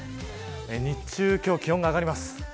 日中、今日気温が上がります。